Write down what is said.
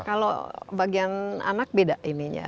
kalau bagian anak beda ini ya